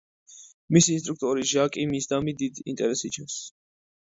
მისი ინსტრუქტორი, ჟაკი, მისდამი დიდ ინტერესს იჩენს.